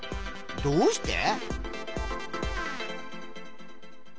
どうして？